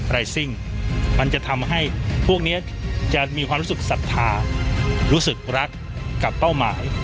ซิ่งมันจะทำให้พวกนี้จะมีความรู้สึกศรัทธารู้สึกรักกับเป้าหมาย